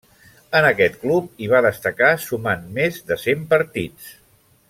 En aquest club hi va destacar sumant més de cent partits.